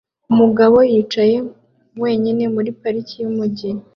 Umugabo yicaye wenyine muri parike yumujyi